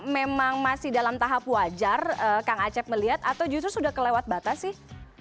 memang masih dalam tahap wajar kang acep melihat atau justru sudah kelewat batas sih